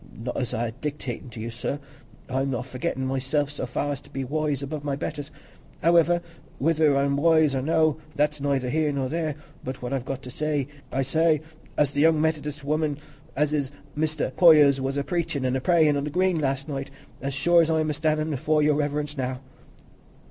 Not as I'm a dictatin' to you, sir; I'm not forgettin' myself so far as to be wise above my betters. Howiver, whether I'm wise or no, that's neither here nor there, but what I've got to say I say—as the young Methodis woman as is at Mester Poyser's was a preachin' an' a prayin' on the Green last night, as sure as I'm a stannin' afore Your Reverence now."